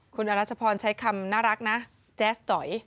คุณอรัชพรใช้คำน่ารักนะแจ๊สจอย